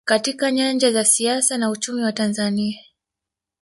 katika nyanja za siasa na uchumi wa Tanzania